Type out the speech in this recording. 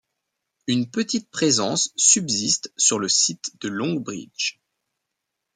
Une petite présence subsiste sur le site de Longbridge.